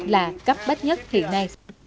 là cấp bách nhất hiện nay